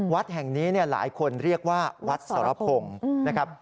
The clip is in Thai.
วัดแห่งนี้หลายคนเรียกว่าวัดสรพงศ์นะครับ